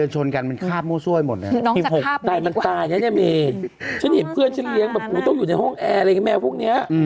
ฉันเห็นเพื่อนฉันเลี้ยงแบบต้องอยู่ในห้องแอร์อะไรแมวพวกนี้